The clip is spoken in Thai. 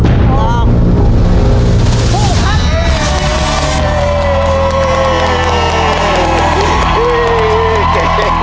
พี่สพิธี